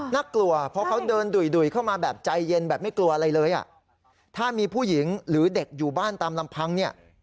น่ากลัวเพราะเขาเดินดุ่ยเข้ามาแบบใจเย็นแบบไม่กลัวอะไรเลยอ่ะถ้ามีผู้หญิงหรือเด็กอยู่บ้านตามลำพังเนี่ย